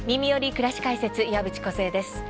くらし解説」岩渕梢です。